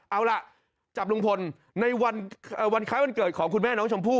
เอาล่ะจับลุงพลในวันคล้ายวันเกิดของคุณแม่น้องชมพู่